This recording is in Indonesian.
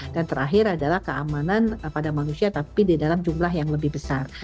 dan terakhir adalah keamanan pada manusia tapi di dalam jumlah yang lebih besar